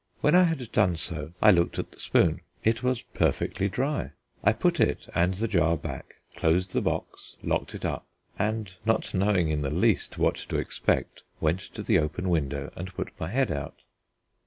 When I had done so I looked at the spoon. It was perfectly dry. I put it and the jar back, closed the box, locked it up, and, not knowing in the least what to expect, went to the open window and put my head out.